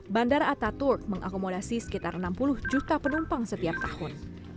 bandara ataturk mengakomodasi sekitar enam puluh juta penerbangan per hari